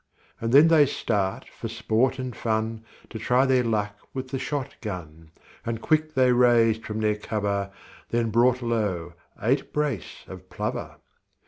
And then they start for sport and fun, To try their luck with the shot gun, And quick they raised from their cover, Then brought low eight brace of plover.